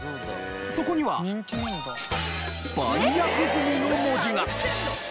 そこには「売約済み」の文字が。